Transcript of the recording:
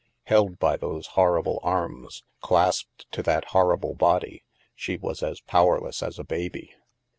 Held by those horrible arms, clasped to that horrible body, she was as powerless as a baby.